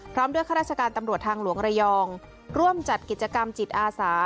พร้อมด้วยข้าราชการตำรวจทางหลวงระยองร่วมจัดกิจกรรมจิตอาสา